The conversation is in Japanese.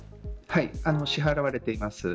支払われています。